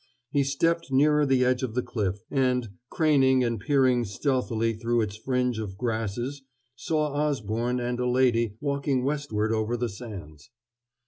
He stepped nearer the edge of the cliff, and, craning and peering stealthily through its fringe of grasses, saw Osborne and a lady walking westward over the sands.